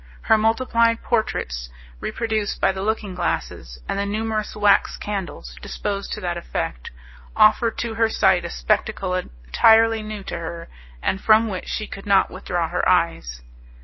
Her multiplied portraits, reproduced by the looking glasses, and the numerous wax candles disposed to that effect, offered to her sight a spectacle entirely new to her, and from which she could not withdraw her eyes.